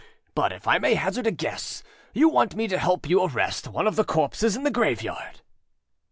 But if I may hazard a guess, you want me to help you arrest one of the corpses in the graveyard.